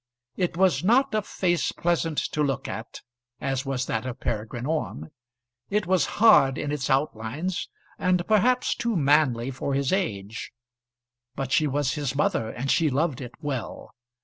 It was not a face pleasant to look at, as was that of Peregrine Orme. It was hard in its outlines, and perhaps too manly for his age. But she was his mother, and she loved it well.